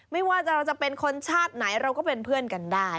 ไม่ว่าเราจะเป็นคนชาติไหนเราก็เป็นเพื่อนกันได้